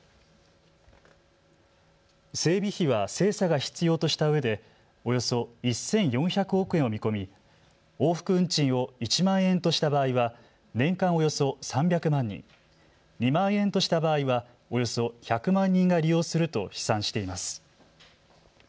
整備費は精査が必要としたうえでおよそ１４００億円を見込み往復運賃を１万円とした場合は年間およそ３００万人、２万円とした場合はおよそ１００万人が利用すると試算しています。